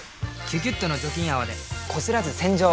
「キュキュット」の除菌泡でこすらず洗浄！